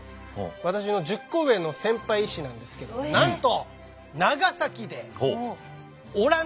私の１０個上の先輩医師なんですけどなんとえ。